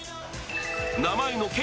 名前の慶